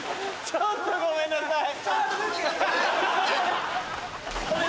ちょっとごめんなさい。